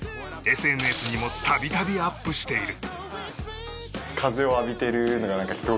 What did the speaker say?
ＳＮＳにも度々アップしている。